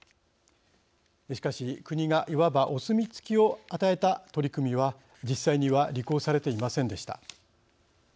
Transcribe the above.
しかし、国がいわばお墨付きを与えた取り組みは実際には履行されていませんでした。